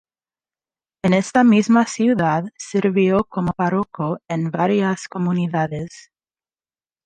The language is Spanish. En esta misma ciudad sirvió como párroco en varias comunidades.